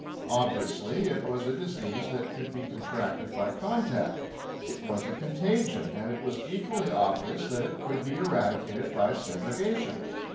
Obviously, it was a disease that could be contracted by contact. It was a contagion, and it was equally obvious that it could be eradicated by segregation.